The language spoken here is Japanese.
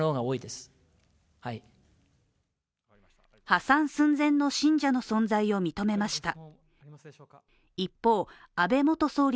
破産寸前の信者の存在を認めました。